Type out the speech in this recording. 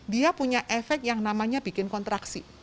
dia punya efek yang namanya bikin kontraksi